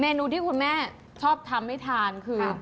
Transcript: นูที่คุณแม่ชอบทำให้ทานคือ